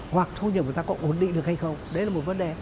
hoặc thu nhập của ta có ổn định được hay không đấy là một vấn đề